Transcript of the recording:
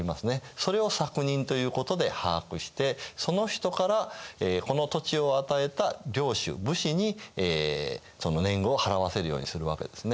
それを作人ということで把握してその人からこの土地を与えた領主武士にその年貢を払わせるようにするわけですね。